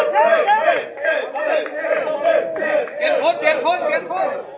สวัสดีครับ